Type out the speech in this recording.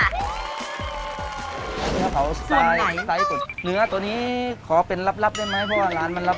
น้ำเผาสไตล์เนื้อตัวนี้ขอเป็นลับได้ไหมเพราะว่าร้านมันลับ